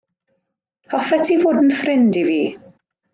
Hoffet ti fod yn ffrind i fi?